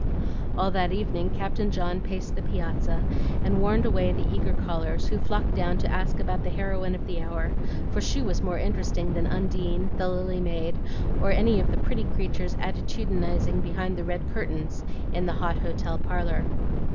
All that evening Captain John paced the piazza, and warned away the eager callers, who flocked down to ask about the heroine of the hour; for she was more interesting than Undine, the Lily Maid, or any of the pretty creatures attitudinizing behind the red curtains in the hot hotel parlor.